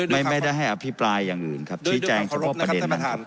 ไม่ได้ให้อภิปรายอย่างอื่นครับชี้แจงครบประเด็นนะครับ